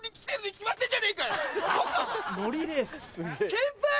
先輩！